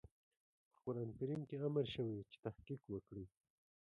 په قرآن کريم کې امر شوی چې تحقيق وکړئ.